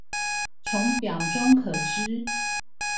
從表中可知